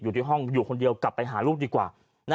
อยู่ที่ห้องอยู่คนเดียวกลับไปหาลูกดีกว่า